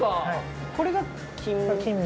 これが金目？